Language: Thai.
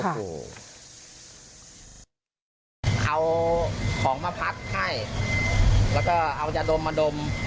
เอาของมาพัดให้แล้วก็เอายาดมมาดม